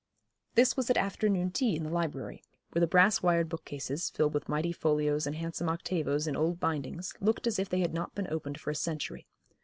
This was at afternoon tea in the library, where the brass wired bookcases, filled with mighty folios and handsome octavos in old bindings, looked as if they had not been opened for a century.